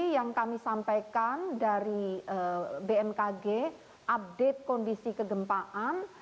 yang kami sampaikan dari bmkg update kondisi kegempaan